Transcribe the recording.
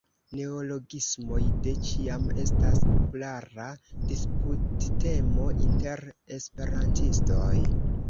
Neologismoj de ĉiam estas populara disputtemo inter esperantistoj.